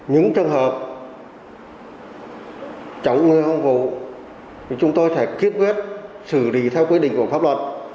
những trường hợp chống người không vụ thì chúng tôi sẽ kiết quyết xử lý theo quy định của pháp luật